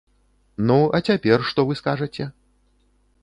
Ну, а цяпер што вы скажаце?